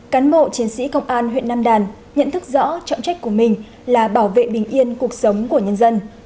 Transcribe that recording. cán bộ chiến sĩ công an huyện nam đàn nhận thức rõ trọng trách của mình là bảo vệ bình yên cuộc sống của nhân dân